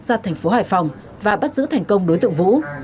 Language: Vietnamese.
ra thành phố hải phòng và bắt giữ thành công đối tượng vũ